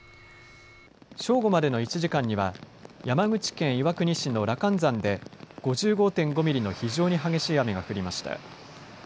正午までの１時間には山口県岩国市の羅漢山で５５．５ミリの非常に激しい雨が降りました。